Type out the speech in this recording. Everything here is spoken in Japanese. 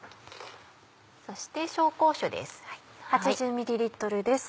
そして紹興酒です。